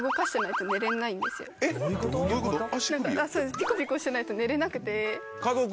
ピコピコしてないと寝れなくて。